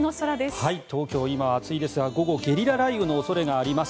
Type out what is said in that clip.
今、暑いですが午後ゲリラ雷雨の恐れがあります。